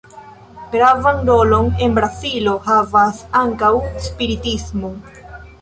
Gravan rolon en Brazilo havas ankaŭ spiritismo.